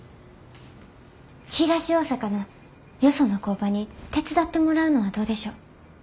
東大阪のよその工場に手伝ってもらうのはどうでしょう？